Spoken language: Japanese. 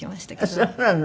あっそうなの。